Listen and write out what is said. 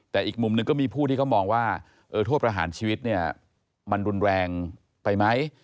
แต่อีกมุมหนึ่งก็มีผู้ที่เขามองว่าโทษประหารชีวิตเนี่ยมันรุนแรงไปไหม